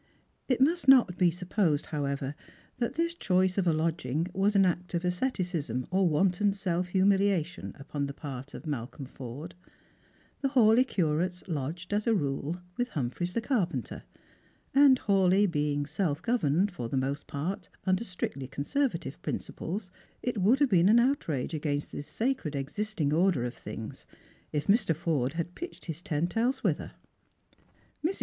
It must not be sujoposed, however, that this choice of a lodging was an act of asceticism or wanton self humiliation upon the part of Malcolm Forde. The Hawleigh curates lodged, as a rule, with Humphreys the carpenter: and Hawleigh being self governed, for the most part, upon strictly conservative principles, it would have been an outrage against the sacred existing order of things if Mr. Forde had pitched his tent else whithc". Mrs.